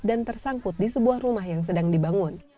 dan tersangkut di sebuah rumah yang sedang dibangun